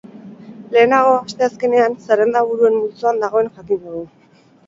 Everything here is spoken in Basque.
Lehenago, asteazkenean, zerrendaburuen multzoan dagoen jakingo du.